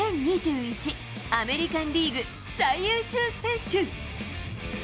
２０２１アメリカン・リーグ最優秀選手。